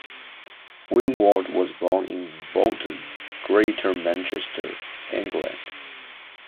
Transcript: Winward was born in Bolton, Greater Manchester, England.